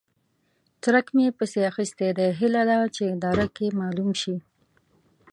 څرک مې پسې اخيستی دی؛ هيله ده چې درک يې مالوم شي.